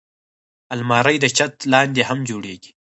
الماري د چت لاندې هم جوړېږي